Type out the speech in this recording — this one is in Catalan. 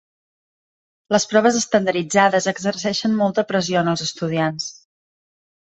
Les proves estandarditzades exerceixen molta pressió en els estudiants.